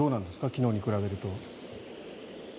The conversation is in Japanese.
昨日に比べると。